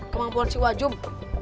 kemampuan si wajum